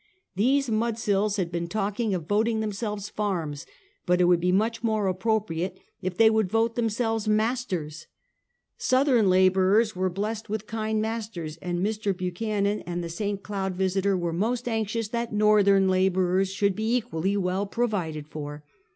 These mudsills had been talk ing of voting themselves farms; but it would be much more appropriate if they would vote themselves mas ters. Southern laborers were blessed with kind mas ters, and Mr. Buchanan and the St. Cloud Visiter BoEDEE Ruffianism, 181 were most anxious that l^ortheni laborers should be equally well provided for.